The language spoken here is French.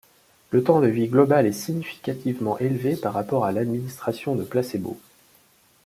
Le temps de vie global est significativement élevé par rapport à l'administration de placebos.